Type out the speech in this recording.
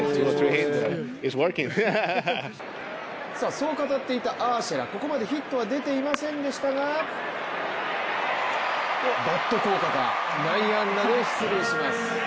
そう語っていたアーシェラ、ここまでヒットは出ていませんでしたがバット効果か内野安打で出塁します。